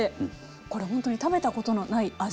これほんとに食べたことのない味わい。